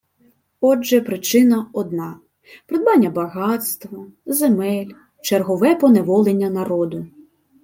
Отже, причина одна – придбання багатства, земель, чергове поневоления народу